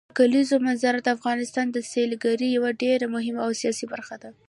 د کلیزو منظره د افغانستان د سیلګرۍ یوه ډېره مهمه او اساسي برخه ده.